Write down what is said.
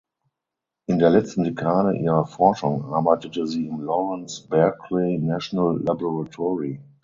In der letzten Dekade ihrer Forschung arbeitete sie im Lawrence Berkeley National Laboratory.